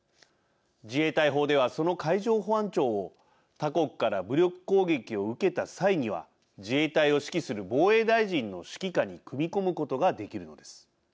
自衛隊法では、その海上保安庁を他国から武力攻撃を受けた際には自衛隊を指揮する防衛大臣の指揮下に組み込むことができるのです。